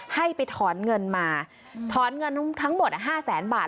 ให้ไปถอนเงินมาถอนเงินทั้งหมด๕แสนบาท